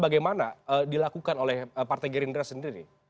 bagaimana dilakukan oleh partai gerindra sendiri